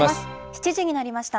７時になりました。